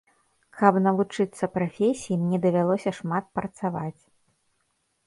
Каб навучыцца прафесіі, мне давялося шмат працаваць.